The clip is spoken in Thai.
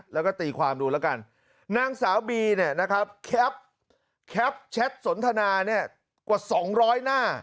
แล้วก็ตีความดูแล้วกัน